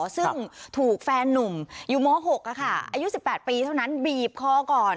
ซึ่งถูกแฟนนุ่มอยู่ม้อหกอะค่ะอายุสิบแปดปีเท่านั้นบีบคอก่อน